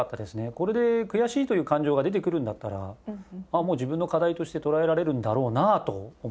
これで悔しいという感情が出てくるんだったら自分の課題として捉えられるんだろうなと思って。